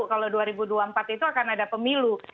kalau dua ribu dua puluh empat itu akan ada pemilu